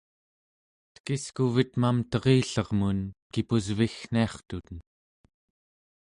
tekiskuvet Mamterillermun kipusviggniartuten